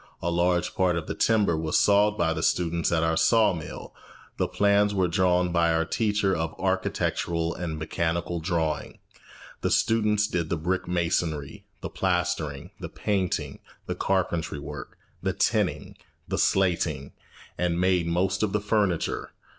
A large part of the timber was sawed by the students at our saw mill, the plans were drawn by our teacher of architectural and mechanical drawing, and students did the brick masonry, the plastering, the painting, the carpentry work, the tinning, the slating, and made most of the furniture.